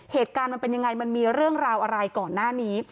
เหตุการณ์มันเป็นยังไงมันมีเรื่องราวอะไรก่อนหน้านี้